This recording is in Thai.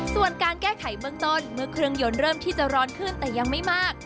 ส่วนการแก้ไขเบื้องต้นเมื่อเครื่องยนต์เริ่มที่จะร้อนขึ้นแต่ยังไม่มาก